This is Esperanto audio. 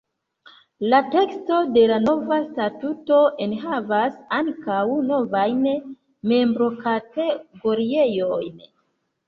La teksto de la nova statuto enhavas ankaŭ novajn membrokategoriojn.